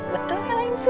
betulnya lain selih